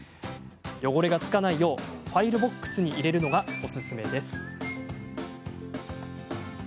汚れが付かないようファイルボックスに入れるのがおすすめです。